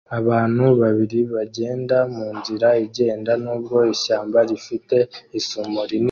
Abantu babiri bagenda munzira igenda nubwo ishyamba rifite isumo rinini